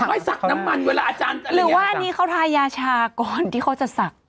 สักน้ำมันเวลาอาจารย์อะไรอย่างนี้สักหรือว่าอันนี้เขาทายาชาก่อนที่เขาจะสัก